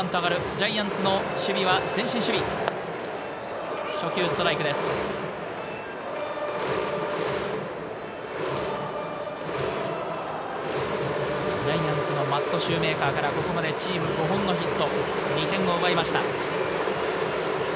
ジャイアンツのマット・シューメーカーからここまでチーム５本のヒット、２点を奪いました。